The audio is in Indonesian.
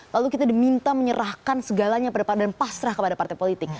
lalu kita diminta menyerahkan segalanya ke depan dan pasrah kepada partai politik